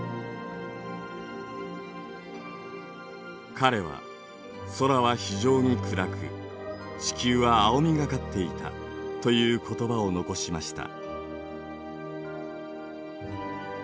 彼は「空は非常に暗く地球は青みがかっていた」という言葉を残しました。